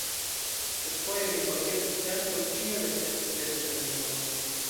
Sed foje oni forgesas, ke antaŭ ĉio necesas lerni la lingvon.